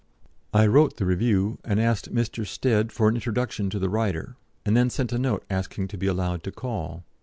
I wrote the review, and asked Mr. Stead for an introduction to the writer, and then sent a note asking to be allowed to call.